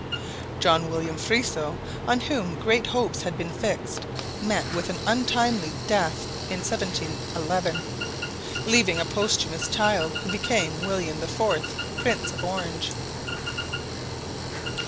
John William Friso, on whom great hopes had been fixed, met with an untimely death in 1711, leaving a posthumous child who became William IV, Prince of Orange.